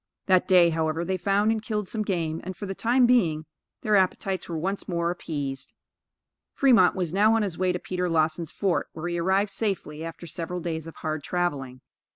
That day, however, they found and killed some game, and for the time being, their appetites were once more appeased. Fremont was now on his way to Peter Lawson's Fort, where he arrived safely, after several days of hard traveling.